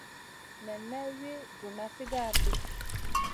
Nen may wi djuna sigara di.